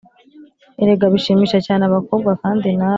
erega bishimisha cyane abakobwa kandi nawe